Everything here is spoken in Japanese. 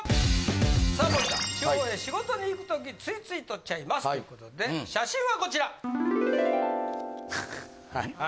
仕事に行くとき、ついつい撮っちゃいますということで、写真はこちら。